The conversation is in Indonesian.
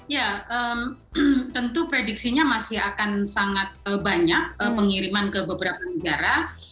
ya tentu prediksinya masih akan sangat banyak pengiriman ke beberapa negara